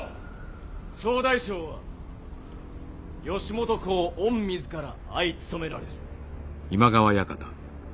総大将は義元公御自ら相務められる。